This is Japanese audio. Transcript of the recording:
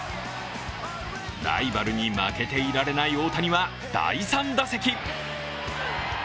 ライバルに負けていられない大谷は、第３打席。